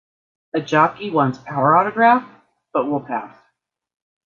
A jockey wants our autograph, but we'll pass.